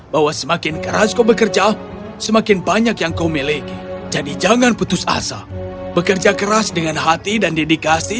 bahwa semakin keras bekerja semakin banyak yang kau miliki jadi jangan putus asa bekerja ter lehrer